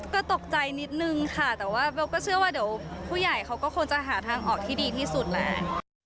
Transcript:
ก็ตกใจนิดนึงค่ะแต่ว่าเบลก็เชื่อว่าเดี๋ยวผู้ใหญ่เขาก็คงจะหาทางออกที่ดีที่สุดแหละ